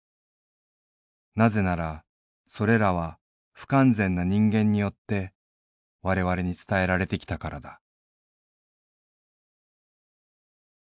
なぜならそれらは不完全な人間によって我々に伝えられてきたからだ」。